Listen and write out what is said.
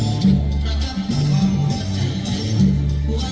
เย้ว่าว่าน่ะอุ้ยเจ้าแล้วโอ้ยเจ้า